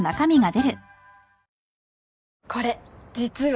これ実は。